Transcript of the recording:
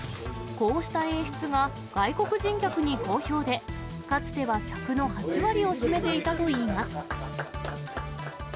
こうした演出が外国人客に好評で、かつては客の８割を占めていたといいます。